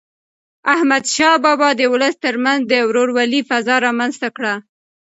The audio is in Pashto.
احمدشاه بابا د ولس تر منځ د ورورولی فضا رامنځته کړه.